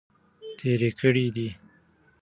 تیرې کړي دي.